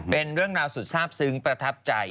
เป็นเรื่องราวสุดทราบซึ้งประทับใจ